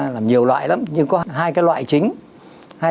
nhiều loại lắm nhưng có hai loại chính